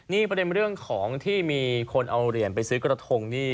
นี่ประเด็นเรื่องของที่มีคนเอาเหรียญไปซื้อกระทงนี่